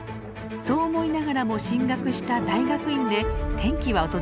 そう思いながらも進学した大学院で転機は訪れます。